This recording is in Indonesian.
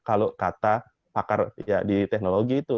kalau kata pakar ya di teknologi itu